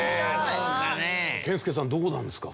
健介さんどうなんですか？